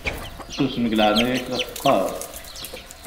Susem deg leɛnaya-k la teqqaṛ!